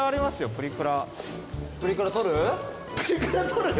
プリクラ撮る？